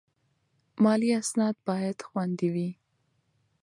مالي اسناد باید خوندي وي.